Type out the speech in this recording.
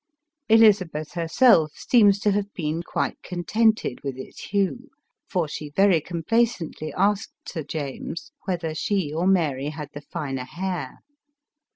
Elizabeth herself seems to have been quite contented with its hue, for she very complacently asked Sir James whether she or Mary had the finer hair